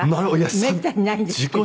めったにないんですけど。